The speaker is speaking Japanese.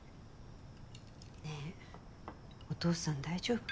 ねぇお義父さん大丈夫？